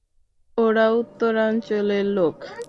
ওরা উত্তরাঞ্চলের লোক।